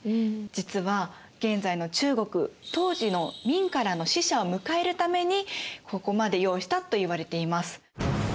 実は現在の中国当時の明からの使者を迎えるためにここまで用意したといわれています。